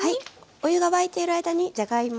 お湯が沸いてる間にじゃがいも